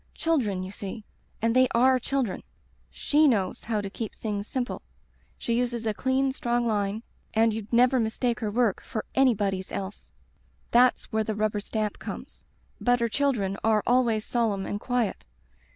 Children, you see;*and they are children. She knows how to keep things simple. She uses a clean strong line, and you'd never mistake her work for anybody's else. That's where the stamp comes. But her children are always solemn and quiet.